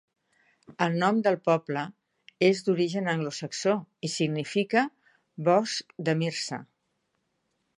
El nom del poble és d'origen anglosaxó i significa "bosc de Myrsa".